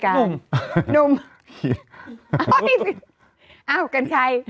อ้าวเอากันใคร